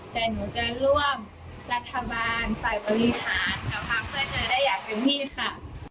แต่หนูจะร่วมรัฐบาลฝ่ายบริหารกับภาคเพื่อไทยได้อย่างเต็มที่ค่ะ